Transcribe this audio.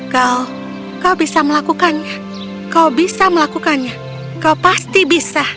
kau kau bisa melakukannya kau bisa melakukannya kau pasti bisa